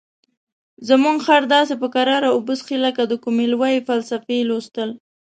زموږ خر داسې په کراره اوبه څښي لکه د کومې لویې فلسفې لوستل.